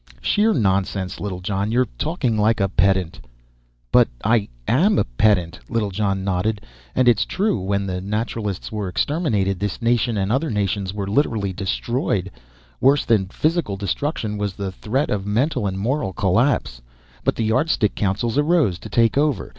"Sheer nonsense, Littlejohn. You're talking like a pedant." "But I am a pedant." Littlejohn nodded. "And it's true. When the Naturalists were exterminated, this nation and other nations were literally destroyed. Worse than physical destruction was the threat of mental and moral collapse. But the Yardstick councils arose to take over.